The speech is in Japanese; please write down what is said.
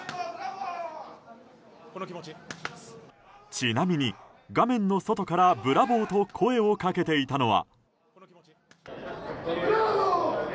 ちなみに、画面の外からブラボーと声をかけていたのは。